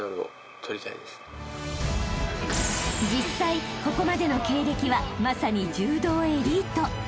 ［実際ここまでの経歴はまさに柔道エリート］